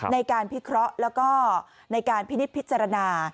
ในการพิเคราะห์แล้วก็ในการพินิษฐพิจารณา